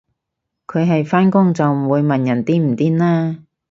佢係返工就唔會問人癲唔癲啦